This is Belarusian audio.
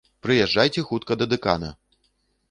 Прыязджайце хутка да дэкана!